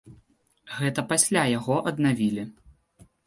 Гэта пасля яго аднавілі.